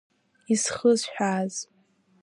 Изхысҳәааз…